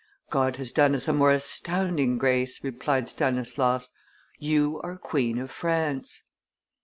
"God has done us a more astounding grace," replied Stanislaus: "you are Queen of France!"